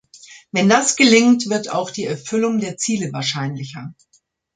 Wenn das gelingt, wird auch die Erfüllung der Ziele wahrscheinlicher.